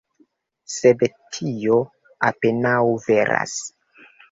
Sed tio apenaŭ veras.